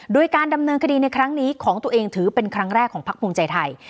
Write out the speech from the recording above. โดยการดำเนินคดีในครั้งนี้ของตัวเองถือเป็นครั้งแรกของพักภูมิใจไทย